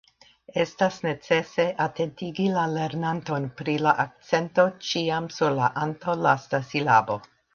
Estas necese atentigi la lernanton pri la akcento ĉiam sur la antaŭlasta silabo.